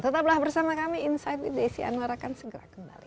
tetaplah bersama kami insight with desi anwar akan segera kembali